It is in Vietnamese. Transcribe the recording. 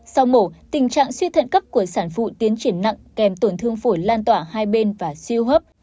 sau mổ tình trạng suy thận cấp của sản phụ tiến triển nặng kèm tổn thương phổi lan tỏa hai bên và siêu hấp